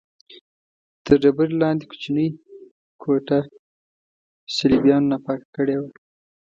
تر ډبرې لاندې کوچنۍ کوټه صلیبیانو ناپاکه کړې وه.